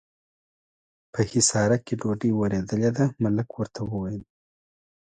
په حصارک کې ډوډۍ ورېدلې ده، ملک ورته وویل.